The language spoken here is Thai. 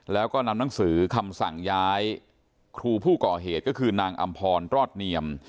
แล้วก็นำหนังสือคำสั่งย้ายครูผู้ก่อเหตุก็คือนางอำพรรอดเนียม